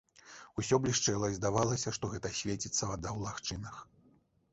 Усё блішчэла, і здавалася, што гэта свеціцца вада ў лагчынах.